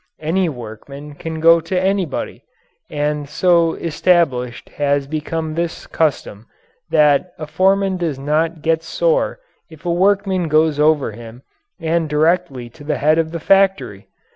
Any workman can go to anybody, and so established has become this custom, that a foreman does not get sore if a workman goes over him and directly to the head of the factory.